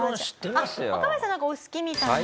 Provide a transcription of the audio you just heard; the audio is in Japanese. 若林さんなんかお好きみたいな。